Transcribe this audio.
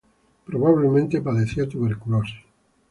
Probablemente, padecía tuberculosis.